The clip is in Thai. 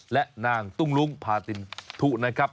และนางตุ้งลุ้งพาตินทุนะครับ